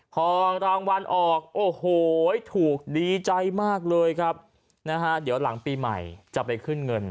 ของรางวัลออกโอ้โหนะฮะเดี๋ยวหลังปีใหม่จะไปขึ้นเงิน